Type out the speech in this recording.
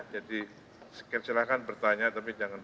jadi silahkan bertanya tapi jangan banyak